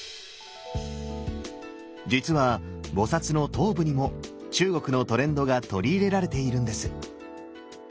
実は菩の頭部にも中国のトレンドが取り入れられているんです。